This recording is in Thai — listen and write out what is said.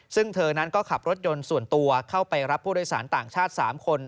ซึ่งเธอนั้นก็ขับรถยนต์ส่วนตัวเข้าไปรับผู้โดยสารต่างชาติ๓คน